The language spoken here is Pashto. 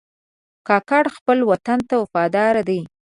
کاکړ خپل وطن ته وفادار دي.